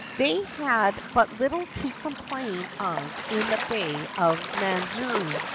They had but little to complain of in the Bay of Manazuru.